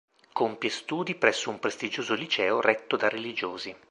Compie studi presso un prestigioso liceo retto da religiosi.